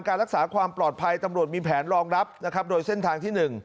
รักษาความปลอดภัยตำรวจมีแผนรองรับนะครับโดยเส้นทางที่๑